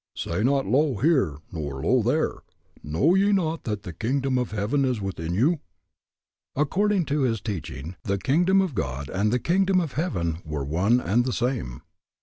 Say not Lo here nor lo there, know ye not that the kingdom of heaven is within you? According to his teaching, the kingdom of God and the kingdom of heaven were one and the same.